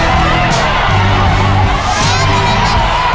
เพื่อชิงทุนต่อชีวิตสุด๑ล้านบาท